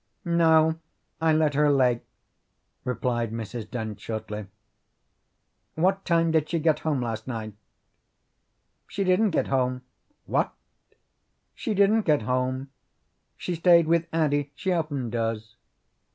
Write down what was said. "No, I let her lay," replied Mrs. Dent shortly. "What time did she get home last night?" "She didn't get home." "What?" "She didn't get home. She stayed with Addie. She often does."